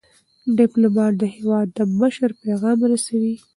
ډيپلومات د هیواد د مشر پیغام رسوي.